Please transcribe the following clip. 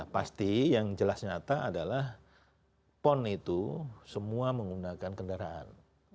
pasti yang jelas nyata adalah pon itu semua menggunakan kendaraan